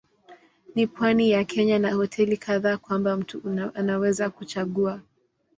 Ni pwani ya Kenya na hoteli kadhaa kwamba mtu anaweza kuchagua.